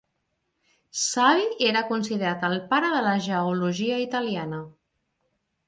Savi era considerat el pare de la geologia italiana.